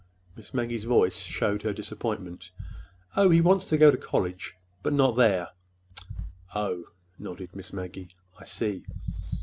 Miss Maggie's voice showed her disappointment. "Oh, he wants to go to college—but not there." "Oh," nodded Miss Maggie. "I see."